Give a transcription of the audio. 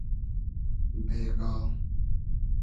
بېگا